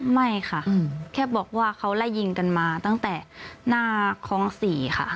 ไม่ค่ะแค่บอกว่าเขาไล่ยิงกันมาตั้งแต่หน้าคล้อง๔ค่ะ